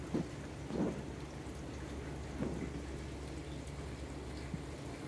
Môrzô mɔ́ɔ́ndɔ̀ lìwòtéyá ô ŋwáɲá mòòlî nátɛ̀ɛ̀ nôrzéyá mòòlí.